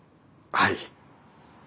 はい。